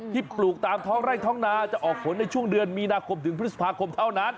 ปลูกตามท้องไร่ท้องนาจะออกผลในช่วงเดือนมีนาคมถึงพฤษภาคมเท่านั้น